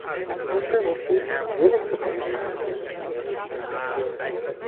Met uw permissie wil ik de commissaris dus een specifieke vraag stellen.